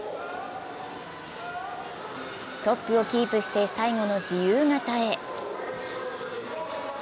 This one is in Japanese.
トップをキープして最後の自由形へ。